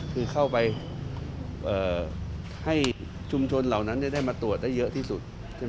คือเข้าไปให้ชุมชนเหล่านั้นได้มาตรวจได้เยอะที่สุดใช่ไหม